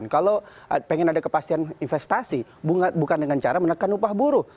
kalau pengen ada kepastian investasi bukan dengan cara menekan upah buruh